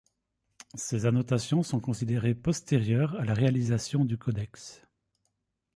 Ces annotations sont considérées postérieures à la réalisation du codex.